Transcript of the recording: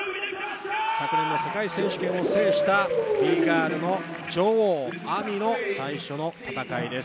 昨年の世界選手権を制した女王ＡＭＩの最初の戦いです。